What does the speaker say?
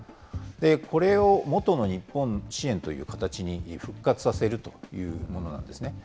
これを元の日本支援という形に復活させるというものなんですね。